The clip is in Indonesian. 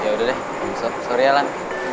ya udah deh i'm sorry alan